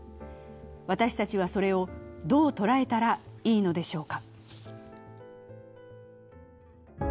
私たちはそれを、どう捉えたらいいのでしょうか？